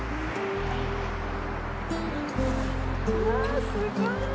うわ、すごい。